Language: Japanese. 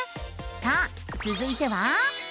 さあつづいては。